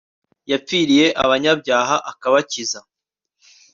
yapfiriye abanyabyaha akabakiza